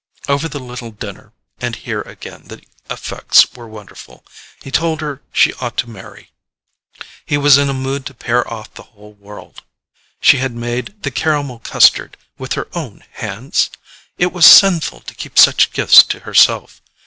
Over the little dinner (and here, again, the effects were wonderful) he told her she ought to marry—he was in a mood to pair off the whole world. She had made the caramel custard with her own hands? It was sinful to keep such gifts to herself.